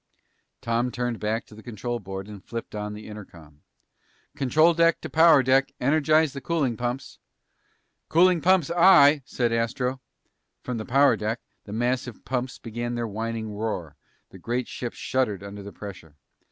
Tom turned back to the control board and flipped on the intercom. "Control deck to power deck! Energize the cooling pumps!" "Cooling pumps, aye!" said Astro. From the power deck, the massive pumps began their whining roar. The great ship shuddered under the pressure.